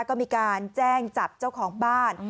ก็มีการแจ้งจับเจ้าของบ้าน